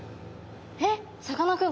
えっさかなクン